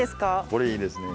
これいいですね。